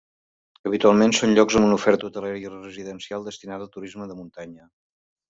Habitualment són llocs amb una oferta hotelera i residencial destinada al turisme de muntanya.